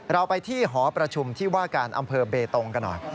เราไปที่หอประชุมที่ว่าการอำเภอเบตงกันหน่อย